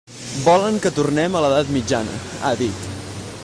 Volen que tornem a l’edat mitjana, ha dit.